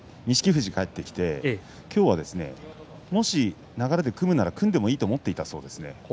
富士が帰ってきて今日はもし、流れで組むなら組んでもいいと思っていたそうです。